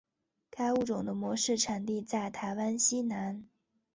该物种的模式产地在台湾西南。